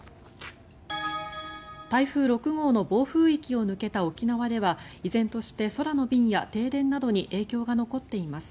台風６号の暴風域を抜けた沖縄では依然として空の便や停電などに影響が残っています。